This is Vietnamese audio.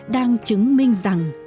đang chứng minh rằng